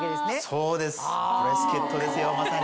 そうですブレスケットですよまさに。